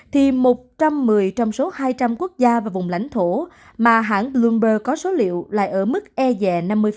thì một trăm một mươi trong số hai trăm linh quốc gia và vùng lãnh thổ mà hãng bloomber có số liệu lại ở mức e dè năm mươi